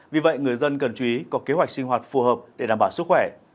vì vậy người dân cần chú ý có kế hoạch sinh hoạt phù hợp để đảm bảo sức khỏe